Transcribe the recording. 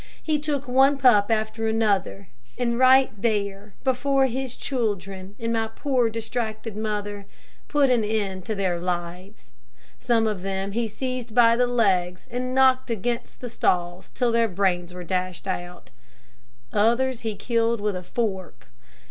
He took one pup after another, and right there, before his children and my poor distracted mother, put an end to their lives. Some of them he seized by the legs and knocked against the stalls, till their brains were dashed out, others he killed with a fork.